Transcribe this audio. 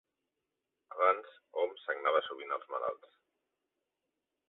Abans hom sagnava sovint els malalts.